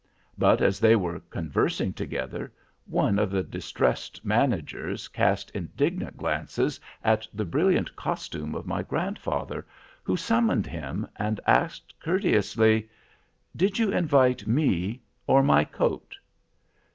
But as they were conversing together, one of the distressed managers cast indignant glances at the brilliant costume of my grandfather, who summoned him, and asked courteously: "'Did you invite me or my coat?